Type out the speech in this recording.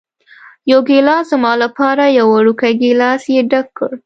یو ګېلاس زما لپاره، یو وړوکی ګېلاس یې ډک کړ.